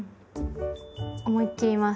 思いっ切ります。